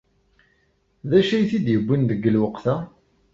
D acu ay t-id-yewwin deg lweqt-a?